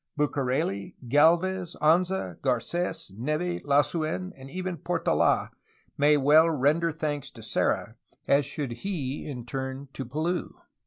Bucareli, Gdlvez, Anza, Garc^s, Neve, Lasu6n, and even Portold, may well render thanks to Serra, as should he in turn to Palou.